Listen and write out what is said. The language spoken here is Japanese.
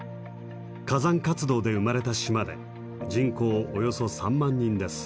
火山活動で生まれた島で人口およそ３万人です。